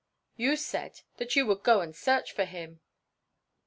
"You said that you would go and search for him."